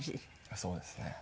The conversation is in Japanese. そうですね。